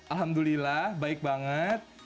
alhamdulillah baik banget